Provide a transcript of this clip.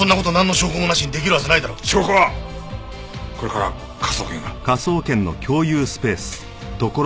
証拠はこれから科捜研が。